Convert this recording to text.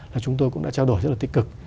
là chúng tôi cũng đã trao đổi rất là tích cực